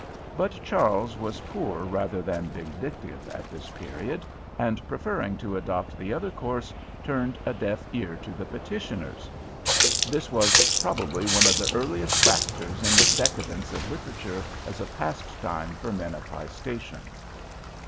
But Charles was poor rather than vindictive at this period, and preferring to adopt the other course, turned a deaf ear to the petitioners. This was probably one of the earliest factors in the decadence of literature as a pastime for men of high station.